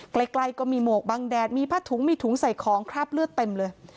ใกล้ก็มีหมวกบังแดดมีผ้าถุงมีถุงใส่ของคราบเลือดเต็มเลย